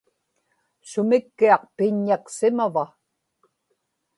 sumikkiaq piññaksimava